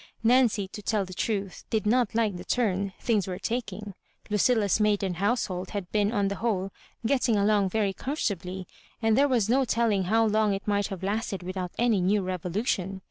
Nancy, to tell the truth, did not like the turn things were t£^dng. Lucilla's maiden household had been on the whole getting along yery comfortably, and there was no telling how long it might have lasted wil^out any new revolution.